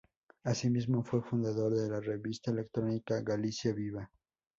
Asimismo, fue fundador de la revista electrónica Galicia Viva.